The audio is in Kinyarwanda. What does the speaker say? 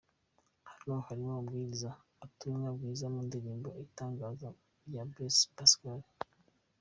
Hano yarimo kubwiriza ubutumwa bwiza mu ndirimbo 'Igitangaza' ya Blaise Pascal.